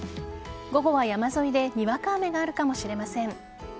午後は山沿いでにわか雨があるかもしれません。